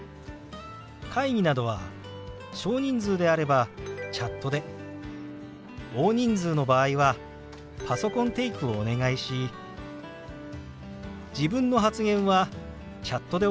会議などは小人数であればチャットで大人数の場合はパソコンテイクをお願いし自分の発言はチャットで行っています。